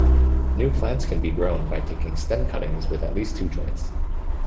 New plants can be grown by taking stem cuttings with at least two joints.